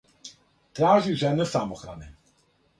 Тражи жене самохране,